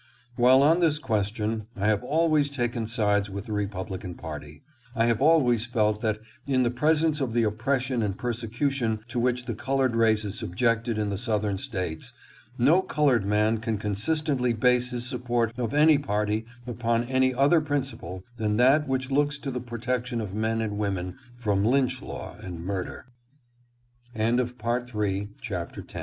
While on this question I have always taken sides with the Republican party, I have always felt that in the presence of the oppression and persecution to which the colored race is subjected in the Southern States, no colored man can consistently base his support of any party upon any other principle than that which looks to the protection of m